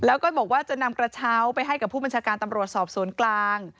แล้วก็บอกว่าจะนำกระเช้าไปให้กับผู้บัญชาการตำรวจสอบสวนกลาง